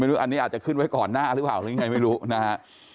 อันนี้อาจจะขึ้นไว้ก่อนหน้าหรือเปล่าหรือยังไงไม่รู้นะฮะ